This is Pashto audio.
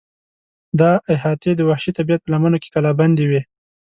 دا احاطې د وحشي طبیعت په لمنو کې کلابندې وې.